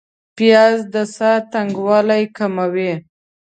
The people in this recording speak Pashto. پیاز د ساه تنګوالی کموي